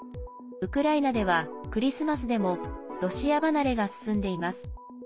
ウクライナではクリスマスでもロシア離れが進んでいます。